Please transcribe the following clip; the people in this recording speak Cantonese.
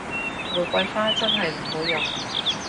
玫瑰花真係唔會用